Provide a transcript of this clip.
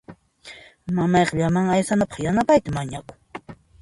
Mamayqa llaman aysanapaq yanapayta mañakun.